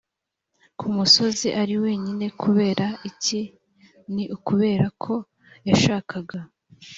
ku musozi ari wenyine Kubera iki Ni ukubera ko yashakaga